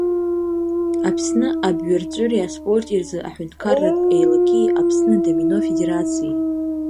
Аԥсны абҩарҵәыреи аспорти рзы аҳәынҭқарратә Еилаки Аԥсны адомино Афедерациеи.